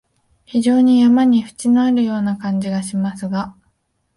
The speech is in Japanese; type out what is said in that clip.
非常に山に縁のあるような感じがしますが、